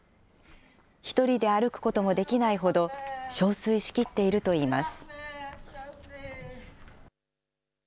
１人で歩くこともできないほどしょうすいしきっているといいます。